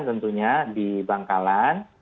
tentunya di bangkalan